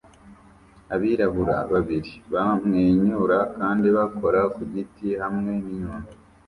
Abirabura babiri bamwenyura kandi bakora ku giti hamwe n'inyundo